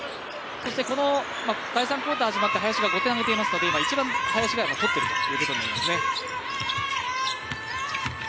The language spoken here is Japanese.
この第３クオーター始まって林が５点挙げていますので今、一番林が取っているということになりますね。